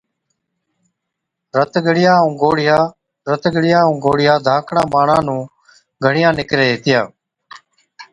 رت ڳڙِيا ائُون گوڙهِيا Boils and Sores، رت ڳڙِيا ائُون گوڙهِيا ڌاڪڙان ٻاڙان نُون گھڻِيان نڪري هِتِيا۔